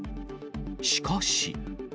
しかし。